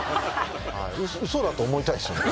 嘘だと思いたいですよね。